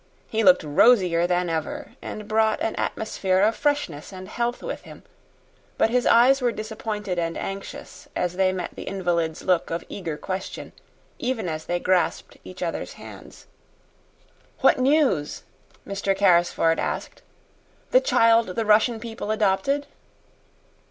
He looked rosier than ever, and brought an atmosphere of freshness and health with him; but his eyes were disappointed and anxious as they met the invalid's look of eager question even as they grasped each other's hands. "What news?" Mr. Carrisford asked. "The child the Russian people adopted?"